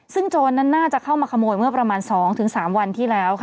ซึ่งโจรนั้นน่าจะเข้ามาขโมยเมื่อประมาณ๒๓วันที่แล้วค่ะ